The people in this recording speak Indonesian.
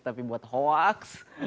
tapi buat hoax